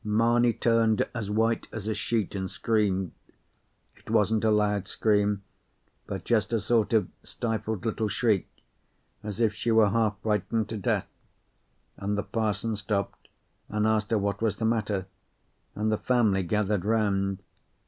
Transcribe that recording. Mamie turned as white as a sheet and screamed. It wasn't a loud scream, but just a sort of stifled little shriek, as if she were half frightened to death; and the parson stopped, and asked her what was the matter, and the family gathered round.